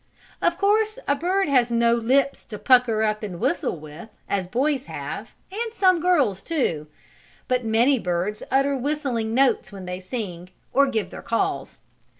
Of course a bird has no lips to pucker up and whistle with, as boys have, and some girls, too. But many birds utter whistling notes when they sing, or give their calls.